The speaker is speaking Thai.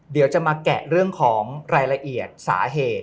เดี๋ยวจะมาแกะเรื่องของรายละเอียดสาเหตุ